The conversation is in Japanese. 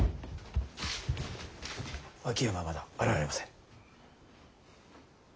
秋山がまだ現れません。